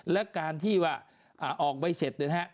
และการที่ว่าออกใบเช็ด